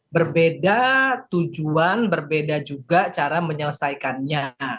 berbeda tujuan berbeda juga cara menyelesaikannya